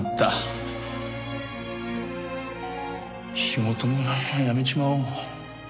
仕事も辞めちまおう。